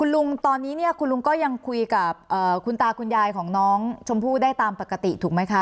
ลุงตอนนี้เนี่ยคุณลุงก็ยังคุยกับคุณตาคุณยายของน้องชมพู่ได้ตามปกติถูกไหมคะ